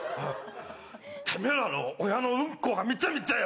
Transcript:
てめぇらの親のうんこが見てみてーよ。